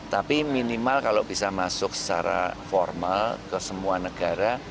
tapi minimal kalau bisa masuk secara formal ke semua negara